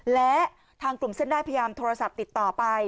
และทางกลุ่มเส้นได้พยายามโทรศัพท์ติดต่อไป